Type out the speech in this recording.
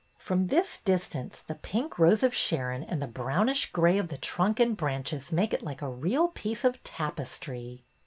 '' From this distance the pink of the Rose of Sharon and the brownish gray of the trunk and branches make it like a real piece of tapestry."